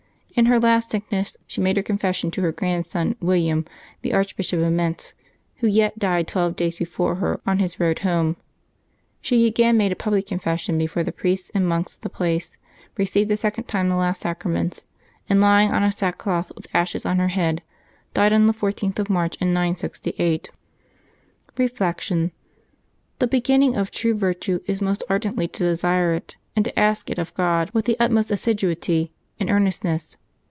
In her last sickness she made her confession to her grandson William, the Archbishop of Mentz, who yet died twelve days before her, on his road home. She again made a public confession before the priests and monks of the place, received a second time the last sacraments, and, lying on a sack cloth, with ashes on her head, died on the 14th of March in 968. Reflection. — The beginning of true virtue is most ar dently to desire it, and to ask it of God. with the utmost assiduity and earnestness.